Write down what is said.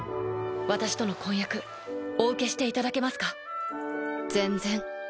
私との婚約お受けしていただけますか？